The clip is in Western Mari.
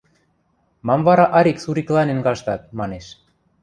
Мам вара арик-суриклӓнен каштат! – манеш.